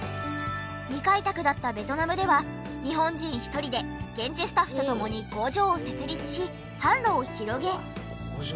未開拓だったベトナムでは日本人１人で現地スタッフと共に工場を設立し販路を広げ。